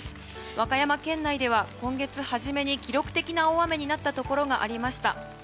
和歌山県内では今月初めに記録的な大雨になったところがありました。